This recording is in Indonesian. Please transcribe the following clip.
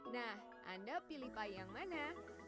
nah anda pilih pay yang mana